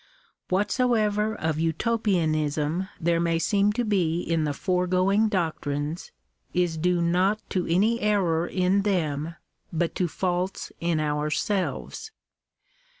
Whatsoever of Utopianism there may seem to be in the foregoing doctrines, is due not to any error in them but to faults in ourselves.